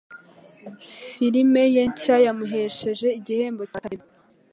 Filime ye nshya yamuhesheje igihembo cya Academy.